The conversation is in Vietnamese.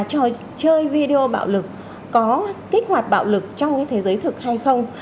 trò chơi video bạo lực có kích hoạt bạo lực trong cái thế giới thực hay không